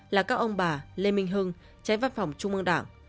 là các ông bà lê minh hưng trái văn phòng trung mương đảng